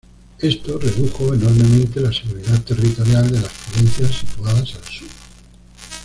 Esto redujo enormemente la seguridad territorial de las provincias situadas al sur.